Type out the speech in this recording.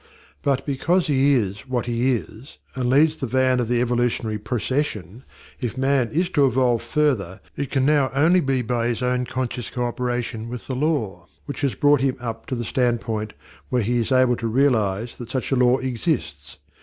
But because he is what he is, and leads the van of the evolutionary procession, if man is to evolve further, it can now only be by his own conscious co operation with the law which has brought him up to the standpoint where he is able to realize that such a law exists.